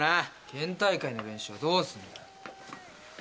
県大会の練習はどうすんだよ？